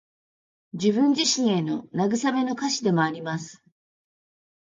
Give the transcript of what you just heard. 自分自身への慰めの歌詞でもあります。